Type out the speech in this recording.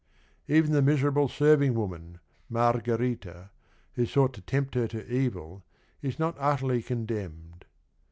Even the miserable serving woman, Margherita, who sought to tempt her to evil, is not utterly condemned.